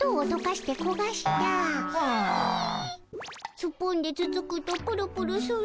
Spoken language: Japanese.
スプーンでつつくとプルプルする。